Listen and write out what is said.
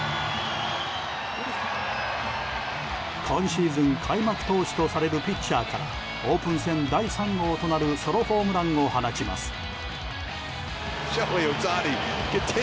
今シーズン開幕投手とされるピッチャーからオープン戦第３号となるソロホームランを放ちます。